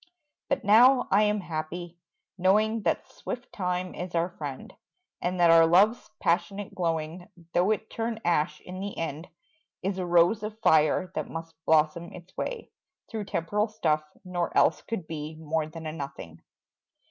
But now I am happy, knowing That swift time is our friend, And that our love's passionate glowing, Though it turn ash in the end, Is a rose of fire that must blossom its way Through temporal stuff, nor else could be More than a nothing.